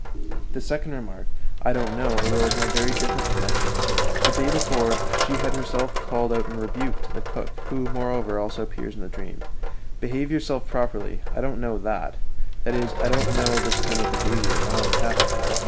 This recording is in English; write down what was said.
The second remark, "I don't know that" arose in a very different connection. The day before she had herself called out in rebuke to the cook (who, moreover, also appears in the dream): "Behave yourself properly; I don't know that" that is, "I don't know this kind of behavior; I won't have it."